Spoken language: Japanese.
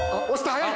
早い。